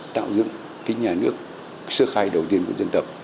tạo dựng cái nhà nước sơ khai đầu tiên của dân tộc